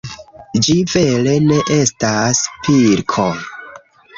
Ĝi vere ne estas pilko.